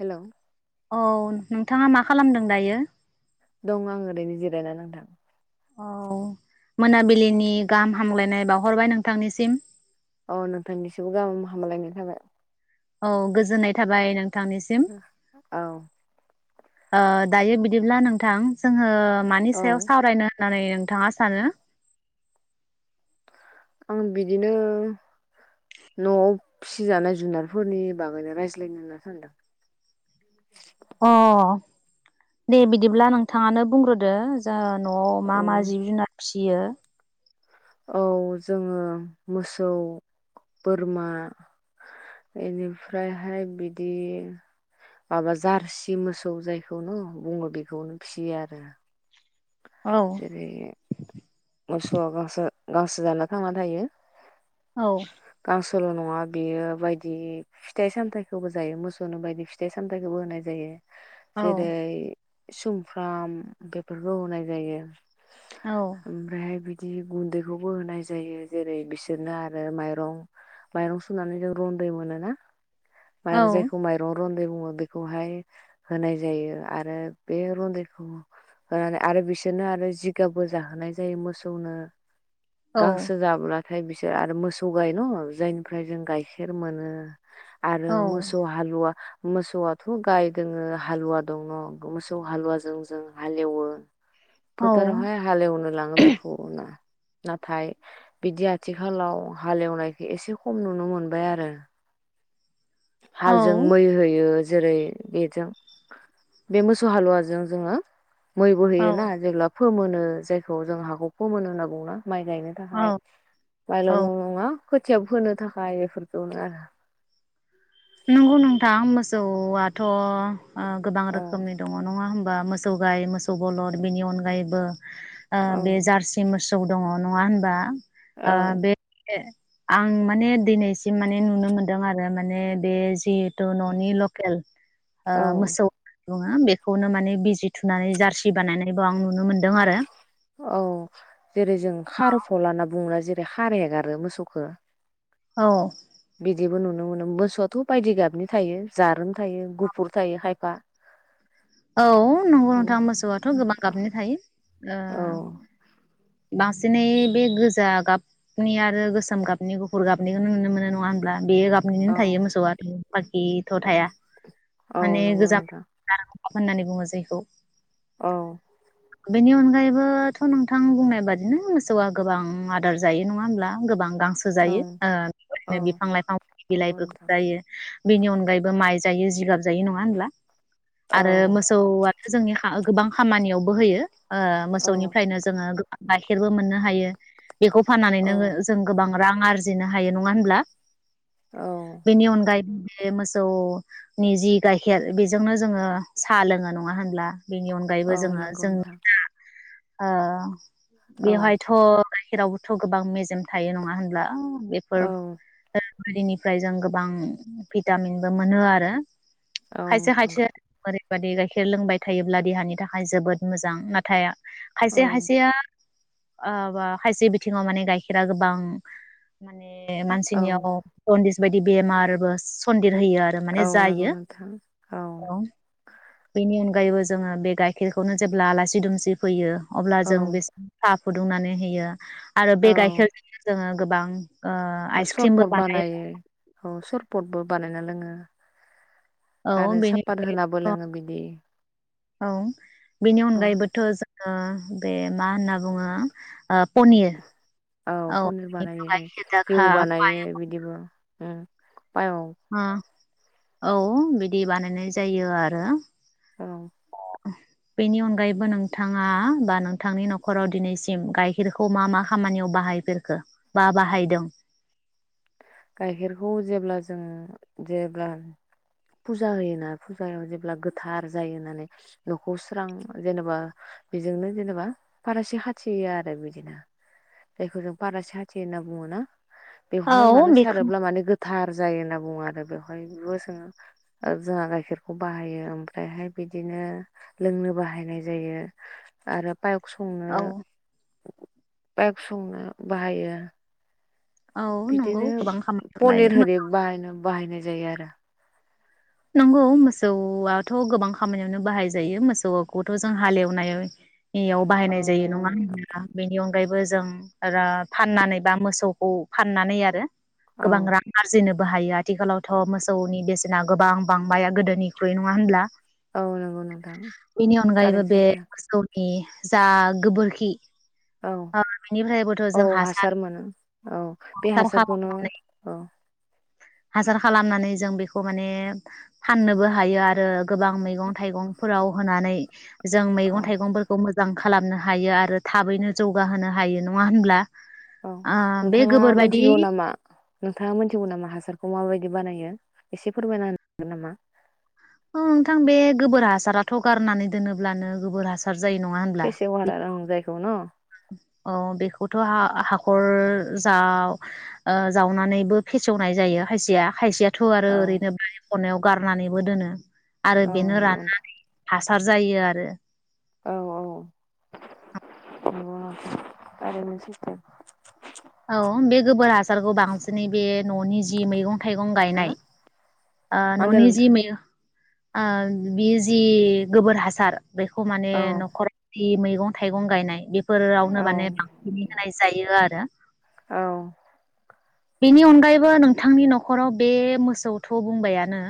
Hello औ नोंथाङा मा खालामदों दायो? दं आं ओरैनो जिरायना नोंथां औ मोनाबिलिनि गाहाम हामलायनाय बावहरबाय नोंथांनिसिम अ नोंथांनिसिमबो गाहाम हामलायनाय थाबाय औ गोजोननाय थाबाय नों ओ औ ओ दायो बिदिब्ला नोंथां जोङो मानि औ सायाव सावरायनो होननानै थाङा सानो आं बिदिनो नआव फिसिजानाय जुनारफोरनि बागैनो रायज्लायनो होनना सानदों अ दे बिदिब्ला नोंथाङानो बुंग्रोदो जा नआव मा मा औ जिब जुनार फिसि यो औ जोङो मोसौ बोरमा बेनिफ्रायहाय बिदि माबा जारसि मोसौ जायखौ बुङो बेखौनो फिसियो आरो औ जेरै मोसौआ गांसो गांसो जाना थांना थायो औ सल नङा बेयो बायदि फिथाइ सामथायाइखौबो जायो मोसौनो बायदि फिथाइ सामथायाइखौबो होनाय जायो औ जेरै सुमफ्राम बेफोरखौ होनाय जायो औ [inaudible] ओमफ्राय बिद बिदि गुनदैखौबो होनाय जायो जेरै बिसोरनो आरो माइरं माइरं सुनानै जों रनदै मोनोना माइ औ जायखौ माइरं र ब बेखौहाय होनाय जायो आरो बे रनदैखौ होनानै आरो बिस बिदिनो आरो जिगाबो जाहोनाय जायो मोसौनो औ गांसो जाब्ला ओमफाय बिसोर आरो मोसौ गाय न जायनिफ्राय जों गाइखेर मोनो आरो मोसौ हालुवा मोसौआथ गाय दोङो हालुवा दङ मोसौ हालुवाजों जों हालेवो फोथारावहाय औ हालेवनो लाङो बेखौ ना नाथाय बिदि आथिखालाव हालेवनायखो एसे खम नुनो मोनबाय आरो हालजों मै होयो जेरै बेजों बे मोसौ हालुवाजों जोङो मैबो होयो औ ना जेब्ला फोमोनो जायखौ जों हाखौ फोमोनो होनना बुङो ना माइ गायनो थाखाय औ माइल औ न नङा खोथियाब फोनो थाखाय बेफोरफोरखौ आरो नंगौ नोंथां मोसौआथ ओ गोबां औ रोखोमनि दङ नङा होम बा मोसौ गाय मोसौ बलद बिनि अनगायैबो ओ औ बे जारसि मोसौ जौ दङ नङा होनबा औ आ बे आं माने दिनैसिम माने नुनो मोनदों आरो माने बे जिहेतु ननि लकेल ओ औ मोसौ बुङो बेखौनो माने बिजि थुनानै जारसि बानायनायबो आं नु औ जेरै जों खार फल लाना बुंङोना जेरै खाराय हगारो मोसौखौ औ बिदिबो नुनो मोनो मोसौआथ बायदि गाबनि थायो जारोम थायो गुफुर थायो खायफा औ नंगौ औ नोंथां मोसौआथ' गोबां गाबनि थायो ओ बांसिनै बे गोजा गाब नि आरो गोसोम गाबनि गुफुर गाबनिखौनो नुनो मोनो नङा होमब्ला बे औ गाबनिनो थायो मोसौआ आरो बाखिथ थाया औ माने नंगौ गोजा नोंथां [inaudible] होननानै बुङो जायखौ औ बेनि अनगायैबोथ नोंथां बुंनाय बादिनो मोसौआ गोबां आदार जायो नङा होमब्ला गोबां गांसो औ जायो ओ औ बेदिनो बिफां लाइफां नंगौ बिलाइफोरखौ नोंथां जायो बेनि अनगायैबो माइ जायो जिगाब जायो नङा होमब्ला औ आरो मोसौआ जोंनि गोबां खामानियावबो होयो ओ औ मोसौनिफ्रायनो जोङो गाइखेरबो मोननो हायो बेखौ फाननानै नोङो औ जों गोबां रां आरजिनो हायो नङा होनब्ला औ बेनि अनगायैबो बे मोसौनि जि गाइखेर बेजोंनो जोङो साहा लोङो नङा होनब्ला बेनि अनगायैबो औ जोङो नंगौ जोंनि नोंथां दा ओ औ बेवहायथ गाइखेरावबोथ गोबां मेजेम थायो नङा होनब्ला औ बेफोर बारिनिफ्राय जों गोबां भिटामिनबो मोनो आरो औ खायसे खायसे ओरैबादि गाइखेर लोंबाय थायोब्ला देहानि थाखाय जोबोद मोजां नाथाय औ खायसे खायसेया ओ बा खायसे बिथिङाव माने गाइखेरा गोबां माने औ मानसिनियाव अनदिस बायदि बेमारबो सन देर होयो आरो माने औ नंगौ जायो नोंथां औ बेनि अनगायैबो जोङो बे गाइखेरखौनो जेब्ला आलासि दुमसि फैयो। अब्ला औ जों बेसेब थाब फुदुंनानै होयो आरो बे गाइखेरजोंनो जोङो गोबां। ओ आइसक्रिमबो सरबट बानायो औ सरपटबो बानायना लोङो औ आरो बेनि सापात अनगायै होनाबो बोथ लोङो बिदि औ बेनि औ अनगायैबोथ जोङो बे मा होनना बुङो ओप औ पनिर बानायो गाइखेर दाखा घिउ पाय बानायो बिदिबो उम औ औ बिदि बानायनाय जायो आरो औ बेनि अनगायैबो नोंथाङा बा नोंथांनि न'खराव दिनैसिम गायखेरखौ मा मा खामानियाव बाहायफेरखो बा बाहायदों। गाइखेरखौ जेब्ला जों जेब्ला फुजा होयोना फुजायाव जेब्ला गोथार जायो होननानै नखौ स्रां जेनेबा बेजोंनो जेनेबा फारासि हाथियो आरो बिदिनो जायखौ जों फारासि हाथियो होनना बुङो ना औ बेवहाय मानोस बेखौ सारोब्ला माने गोब थार जायो होनना बुङो आरो बेवहाय बेबो सोङो जोंहा गाइखेरखौ बाहायो ओमफ्रायहाय बिदिनो लोंनो बाहायनाय जायो आरो पाइक संनो औ पाइक संनो बाहायो आर औ नंगौ बिदिनो गोबां खामानियाव पनिर बाहायो होरि बाहायनांगो बाहायनाय जायो आरो नंगौ मोसौआथ गोबां खामानियावनो बाहाय जायो मोसौखौथ जों हालेवनायाव बेयाव औ बाहायनाय जायो नंगौ नङा नोंथां होनब्ला बेनि अनग ओमफ्रायबो जों रा फाननानै बा मोसौखौ फाननानै आरो औ गोबां रां आरजिनोब बाहायो आथिखालावथ मोसौनि बेसेना गोबां बांबाया गोदोनिख्रुइ नङा होनब्ला ओ नंगौ नोंथां कारेनसि था ए जा गोबोरखि औ ओ बेनिफ्रायबोथ' औ जों हासार मोनो औ बे हासार हासारखौनो खालामनानै औ हासार खालामनानै जों बेखौ माने फाननोबो हायो आरो गोबां मैगं थाइगं फोराव होनानै जों औ मैगं थाइगंफोरखौ मोजां मोजां खालामनो हायो आरो थाबैनो जौगाहोनो हायो नङा होनब्ला औ ओ बे नोंथाङा गोबोर बायदि मिथिगौ नामा नोंथाङा मिथिगौ नामा हासारखौ माबायदि दि बानायो एसे फोरमायना होनागोन नामा? औ नोंथां बे गोबोर हासाराथ' गारनानै दोनोब्लानो गोबोर हासार जायो नङा होनब्ला बेेसे वारा आं जायखौ न' औ बेखौथ हा-हाखर जाव ओ जावनानैबो ओ फेसेवनाय जायो खायसेया खायसेया। थ' आरो औ ओरैनो [unintelligible] खनायाव गारनानैबो दोनो आरो औ बेनो नंगौ नोंथां राननानै हासार जायो आरो औ औ [unintelligible] थारैनो सैथो औ बे गोबोर हासारखौ बांसिनै बे ननि जि मैगं थाइगं हा गायनाय मा ओ होनदों ननि जि नोंथां ओ बेयो जि गोबोर हासार बेखौ माने औ नखराव जि मैगं थाइगं गायनाय बेफोर फोरावनो औ माने बांसिनै होनाय जायो आरो औ बेनि अनगायैबो नोंथांनि न'खराव बे मोसौथ' बुंबायानो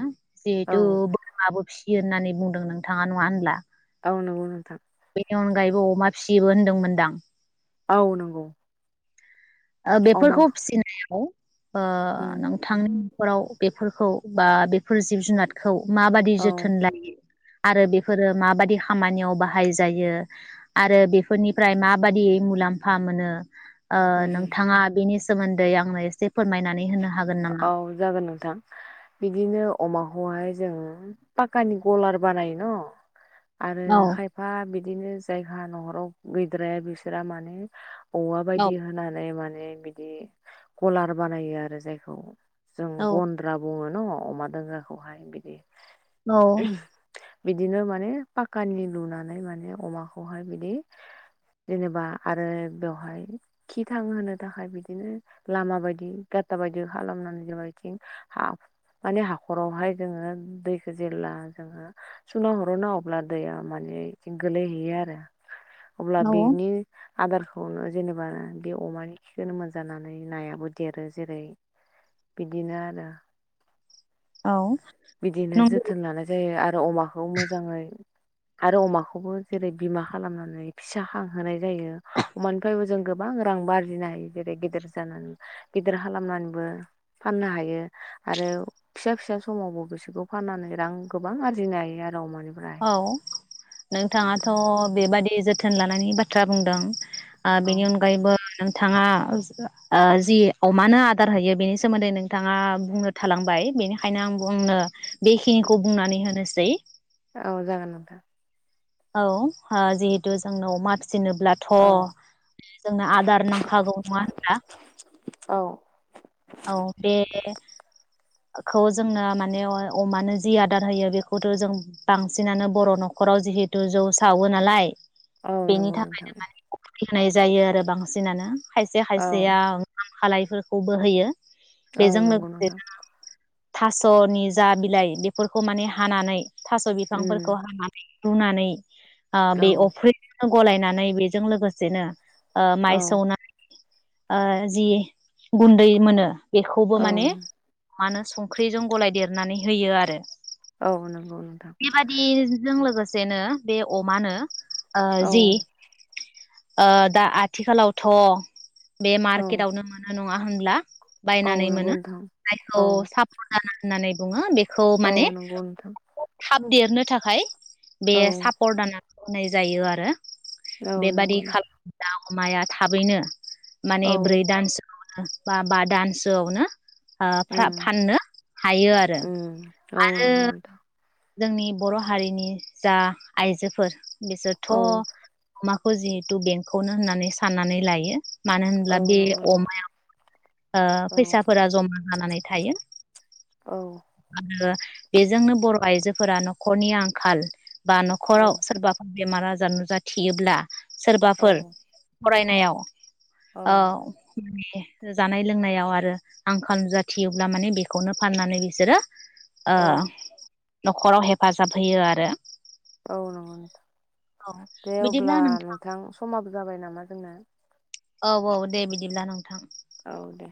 औ जिहेथु बोरमाबो फिसि इयो होननानै बुंदों नोंथाङा नङा होनब्ला औ नंगौ नोंथां बेनि अनगायैबो अमा फिसिबो होनदोंमोनदां औ नंगौ अमा बेफोरखौ फिसिनायाव ओ उम नों थां नखराव बेफोरखौ बा बेफोर जिब जुनारखौ माबाददि औ जोथोन लायो आरो बेफोरो माबादि खामानियाव बाहाय जायो आरो बेफोरनिफ्राय माबादि मुलाम्फा मोनो। ओ उम नों बिनि सोमोन्दै आंनो एसे फोरमायनानै होनो हा औ जागोन नोंथां बिदिनो अमाखौहाय जोंङो पाक्कानि गलार बानायो न' आरो औ खायफा बिदिनो जायगा नहराव गैद्राया बिसोरा माने औवा औ बायदि होनानै माने बिदि कलार बानायो आरो जाय [inaudible] जों गन्द्रा बुङो नङ अमा दोंग्राखौहाय बिदि औ बिदिनो माने पाकानि लुनानै माने अमाखौहाय बिदि जेनेबा आरो बेवहाय खि थांहोनो थाखाय बिदिनो लामा बायदि गाथा बायदि बिदि खालामनानै जेन बिथिं माने हाखरावहाय जोङो दैखौ जेब्ला जोङो सुना हरो ना अब्ला दैया माने बिथिं गोलैहैयो आरो अब्ला औ बिनि आदारखौनो जेनेबा बे अमानि खिखौनो मोनोजानानै नायाबो देरो जेरै बिदिनो आरो औ बिदिनो नंगौ जोथोन लानाय जायो आरो आरो अमाखौ मोजाङै आरो अमाखौबो जेरै बिमा खालामनानै फिसा खांहोनाय जायो अमानिफ्रायबो जों गोबां रां आरजिनो हायो जेरै गेदेर जानानै गेदेर खालामनानै फाननो हायो आरो फिसा फिसा समावबो बिसोरखौ फाननानै रां गोबां आरजिनो हायो आरो अमानिफ्राय औ नोंथाङाथ बेबादि जोथोन लानायनि बाथ्रा बुंदों आ औ बिनि अनगायैबो बिथाङा ओ जि अमानो आदार होयो बेनि सोमोन्दै नोंथाङा बुंनो थालांबाय बेनिखायनो आं बुंनो बेखिनिखौ बुंनानै होनोसै औ जागोन नोंथां औ जिहेतु जोंनाव मास फि जनोब्लाथ' औ जोंनो आदार नांखागौ नङा होनब्ला औ औ बे खौ जोंनो माने अमानो जि आदार होयो बेखौथ जों बांसिनानो बर' न'खराव जिहेथु जौ सावो नालाय औ नंगौ नोंथा फिनाय जायो आरो बांसिनानो खायसे औ खायसेया खालायफोरखौबो होयो बेजों औ नंगौ लोगोसे नोंथां थासनि जा बिलाइ बेफोरखौ माने हानानै थास बिफांफोरखौ उम हानानै रुनानै [inaudible] आ औ बे अफ्रिनो गलायनानै बेजों लोगोसेनो ओ माइ औ सौनानै ओ जि गुन्दै मोनो बेखौबो औ माने मा होनो संख्रिजों गलाय देरनानै होयो आरो औ नंगौ नोंथां बेबादि जों लोगोसे सेनो बे अमानो ओ औ जि ओ दा आथिखालावथ बे औ मार्केटवनो मोनो नङा होनब्ला औ बायनानै नंगौ मोनो नोंथां जायखौ औ सापर्ट दाना होननानै बुङो बे खौ औ माने नंगौ नोंथां थाब देरनो थाखाय बे औ साब होननाय जायो आरो औ बेबायदि नंगौ नोंथां खालामदाव माया थाबैनो औ माने ब्रै दानसोम बा बा दान्सोआव नो ओ फ्रा उम फाननो हायो आरो उम औ आरो नंगौ नोंथां जोंनि बर' हारिनि जा आइजोफोर बिसोरथ औ मा जिहेतु बेंकखौनो होननानै साननानै लायो मानो औ होनब्ला बे नंगौ नोंथां अमायाव ओ औ फैसाफोरा जमा जानानै थायो औ आरो बेजोंनो बर' आइजोफोरा न'खरनि आंखाल बा औ न'खराव सोरबाफोर बेमार आजार नुजाथियोब्ला औ सोरबाफोर फरायनायाव औ जानाय लोंनायाव आरो आंखाल नुजाथियोब्ला माने बेखौनो फाननानै बिसोरो ओ औ नखराव हेफाजाब होयो आरो औ नंगौ औ दे बिदिब्ला अब्ला नोंथां समाबो जाबाय नामा होनना औ औ दे बिदिब्ला नोंथां औ दे